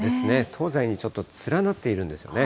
東西にちょっと連なっているんですよね。